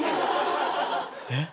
えっ？